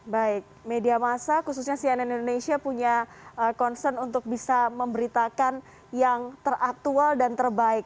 baik media masa khususnya cnn indonesia punya concern untuk bisa memberitakan yang teraktual dan terbaik